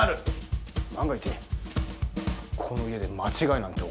万が一この家で間違いなんて起こったら。